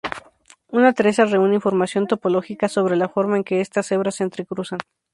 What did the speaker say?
Una trenza reúne información topológica sobre la forma en que estas hebras se entrecruzan.